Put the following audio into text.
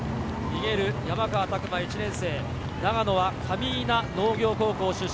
逃げる山川拓馬・１年生、長野は上伊那農業高校出身。